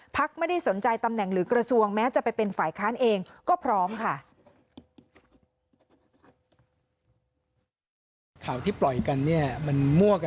ไม่ได้สนใจตำแหน่งหรือกระทรวงแม้จะไปเป็นฝ่ายค้านเองก็พร้อมค่ะ